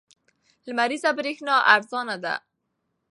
لمریزه برېښنا ارزانه ده.